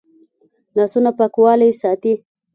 لاسونه پاکوالی ساتي